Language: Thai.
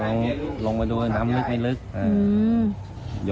แล้วคือฝาแฝดของน้องคุณคือคุณคีชซะพี่หรือแฝดน้อง